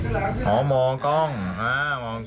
มองกล้องแล้วเอาไปซ่อนใช่ไหมครับ